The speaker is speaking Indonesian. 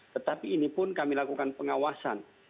tetapi ini pun kami lakukan pengawasan